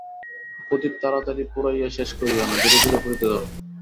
প্রদীপ তাড়াতাড়ি পুড়াইয়া শেষ করিও না, ধীরে ধীরে পুড়িতে দাও।